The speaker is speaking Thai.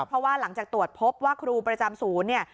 เพราะว่าหลังจากตรวจพบว่าครูประจำศูนย์เนี่ย